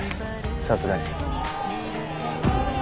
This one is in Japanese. さすがに。